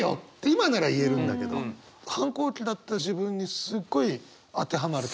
今なら言えるんだけど反抗期だった自分にすごい当てはまる。